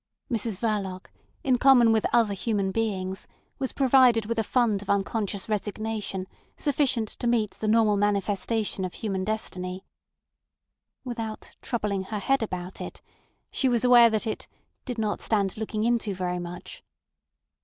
Mrs Verloc, in common with other human beings, was provided with a fund of unconscious resignation sufficient to meet the normal manifestation of human destiny. Without "troubling her head about it," she was aware that it "did not stand looking into very much."